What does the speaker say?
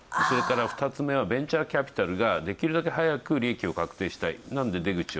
２つ目はベンチャーキャピタルができるだけ早く利益を確定したい。